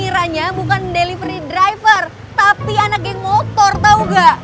kiranya bukan delivery driver tapi anak geng motor tahu gak